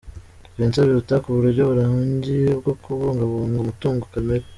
Vincent Biruta, ku buryo burambye bwo kubungabunga umutungo kamere.